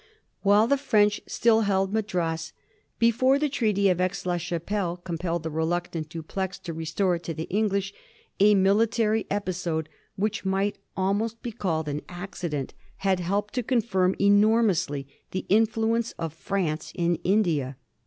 While the French still held Madras, before the Treaty of Aix la Chapelle compelled the reluctant Dupleix to re store it to the English, a military episode, which might almost be called an accident, had helped to confirm enor mously the influence of France in India.